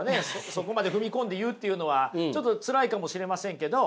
そこまで踏み込んで言うっていうのはちょっとつらいかもしれませんけど。